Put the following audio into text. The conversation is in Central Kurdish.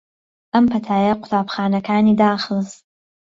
ئەم پەتایە قوتابخانەکانی داخست